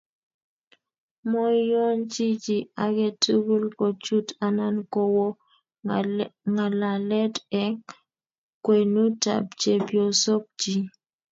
Moiyonchi chi age tugul kochut anan kowo ngalalet eng kwenutab chepyosok chi